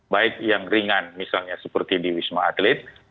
baik yang ringan misalnya seperti di wisma atlet